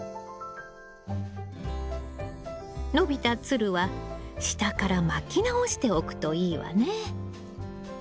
伸びたつるは下から巻き直しておくといいわね。